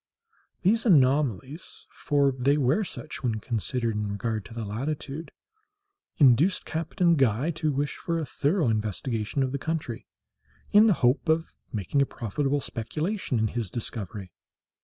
These anomalies—for they were such when considered in regard to the latitude—induced Captain Guy to wish for a thorough investigation of the country, in the hope of making a profitable speculation in his discovery.